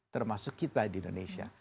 termasuk kita di indonesia